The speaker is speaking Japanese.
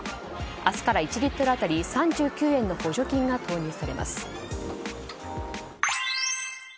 明日から１リットル当たり３９円の補助金が投入されます。